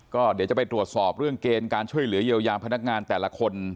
ก็เดี๋ยวจะไปตรวจสอบเรื่องเกณฑ์การช่วยเหลือเยียวยาพนักงานแต่ละคน